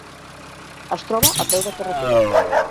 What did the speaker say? Es troba a peu de carretera.